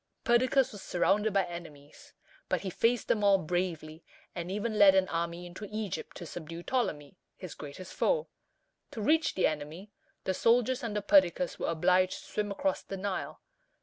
Perdiccas was surrounded by enemies, but he faced them all bravely, and even led an army into Egypt to subdue Ptolemy, his greatest foe. To reach the enemy, the soldiers under Perdiccas were obliged to swim across the Nile.